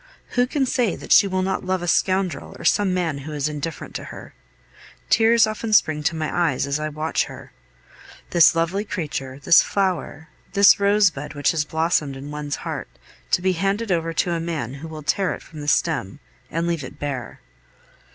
Who can say that she will not love a scoundrel or some man who is indifferent to her? Tears often spring to my eyes as I watch her. This lovely creature, this flower, this rosebud which has blossomed in one's heart, to be handed over to a man who will tear it from the stem and leave it bare!